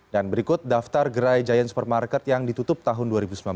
dan berikut daftar gerai giant supermarket yang ditutup tahun dua ribu sembilan belas